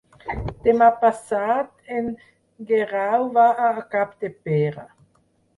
Demà passat en Guerau va a Capdepera.